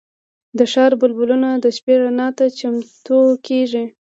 د ښار بلبونه د شپې رڼا ته چمتو کېږي.